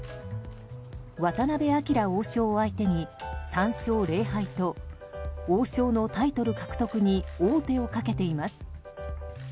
渡辺明王将を相手に３勝０敗と王将のタイトル獲得に王手をかけています。